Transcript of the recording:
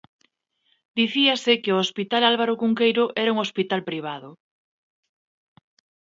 Dicíase que o Hospital Álvaro Cunqueiro era un hospital privado.